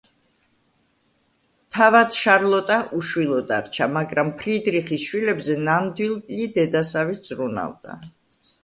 თავად შარლოტა უშვილო დარჩა, მაგრამ ფრიდრიხის შვილებზე ნამდვილი დედასავით ზრუნავდა.